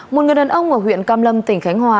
một người đàn ông ở huyện cam lâm tỉnh khánh hòa